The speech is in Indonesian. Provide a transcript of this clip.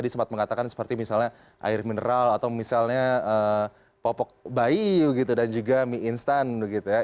seperti misalnya air mineral atau misalnya popok bayi gitu dan juga mie instan gitu ya